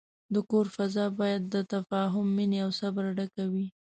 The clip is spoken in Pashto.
د کور فضا باید د تفاهم، مینې، او صبر ډکه وي.